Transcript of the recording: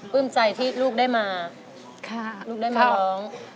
ใจที่ลูกได้มาลูกได้มาร้อง